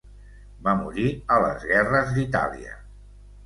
Va morir a les guerres d'Itàlia.